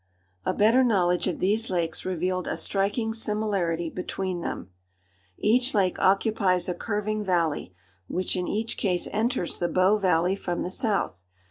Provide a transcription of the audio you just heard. Looking west.] A better knowledge of these lakes revealed a striking similarity between them. Each lake occupies a curving valley, which in each case enters the Bow valley from the south.